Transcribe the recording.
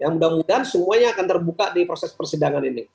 mudah mudahan semuanya akan terbuka di proses persidangan ini